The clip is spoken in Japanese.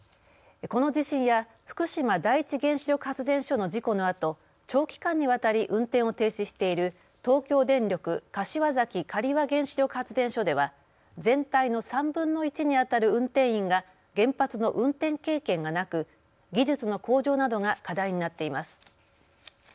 この地震や福島第一原子力発電所の事故のあと、長期間にわたり運転を停止している東京電力柏崎刈羽原子力発電所では全体の３分の１にあたる運転員が原発の運転経験がなく技術の向上などが課題になっています。